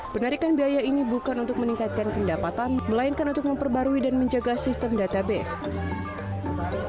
penarikan biaya ini bukan untuk meningkatkan pendapatan melainkan untuk memperbarui dan menjaga sistem database